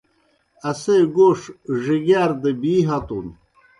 اسے گوݜ ڙِگِیار دہ بی ہتُن۔